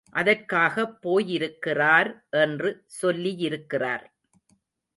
அதற்காகப் போயிருக்கிறார் என்று சொல்லியிருக்கிறார்.